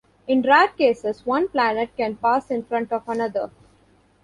In rare cases, one planet can pass in front of another.